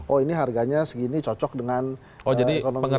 oh ini harganya segini cocok dengan ekonomi kreatif